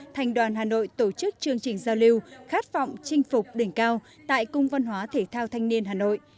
thành đoàn hà nội tổ chức chương trình giao lưu khát vọng chinh phục đỉnh cao tại cung văn hóa thể thao thanh niên hà nội